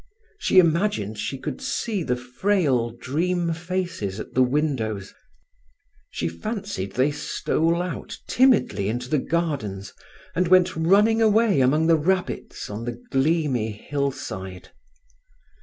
She imagined she could see the frail dream faces at the windows; she fancied they stole out timidly into the gardens, and went running away among the rabbits on the gleamy hill side.